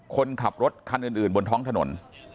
คนขับรถคันอื่นบนท้องถนน